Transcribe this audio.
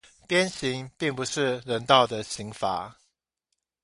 鞭刑並不是人道的刑罰